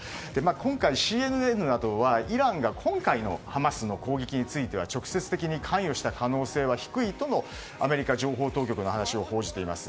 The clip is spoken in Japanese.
今回ＣＮＮなどはイランが今回のハマスの攻撃については直接的に関与した可能性は低いとのアメリカ情報当局の話を報じています。